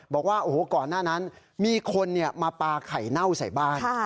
บอกว่าโอ้โหก่อนหน้านั้นมีคนมาปลาไข่เน่าใส่บ้าน